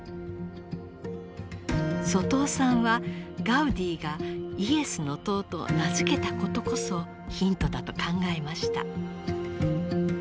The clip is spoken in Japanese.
外尾さんはガウディがイエスの塔と名付けたことこそヒントだと考えました。